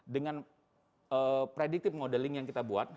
dengan predictive modeling yang kita buat